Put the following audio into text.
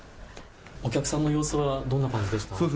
お客さんの様子はどんな感じですか。